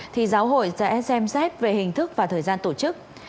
thì giáo hội sẽ xem xét về hình thức và thời gian tổ chức